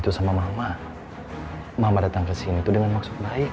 tapi baik sekali tante pergi tante licik